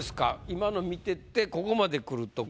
今の見ててここまでくると。